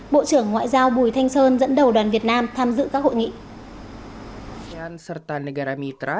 bộ trưởng ngoại giao bùi thanh sơn dẫn đầu đoàn việt nam tham dự các hội nghị